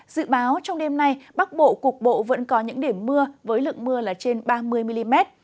dự báo trong đêm nay bắc bộ cục bộ vẫn có những điểm mưa với lượng mưa là trên ba mươi mm